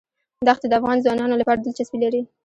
دښتې د افغان ځوانانو لپاره دلچسپي لري.